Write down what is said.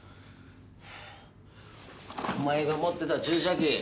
お前が持ってた注射器